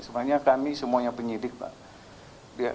sebenarnya kami semuanya penyidik pak